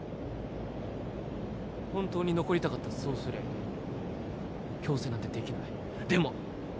本当に残りたかったらそうすりゃいい強制なんてできないでも！